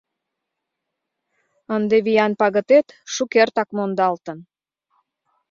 Ынде виян пагытет шукертак мондалтын.